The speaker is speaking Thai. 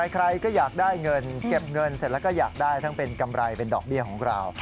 ใครก็อยากได้เงินเก็บเงินเสร็จแล้วก็อยากได้ทั้งเป็นกำไรเป็นดอกเบี้ยของเรา